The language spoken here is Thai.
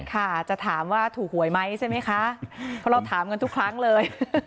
ค่ะจะถามว่าถูกหวยไหมใช่ไหมคะเพราะเราถามกันทุกครั้งเลย